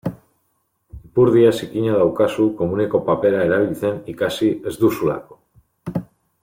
Ipurdia zikina daukazu komuneko papera erabiltzen ikasi ez duzulako.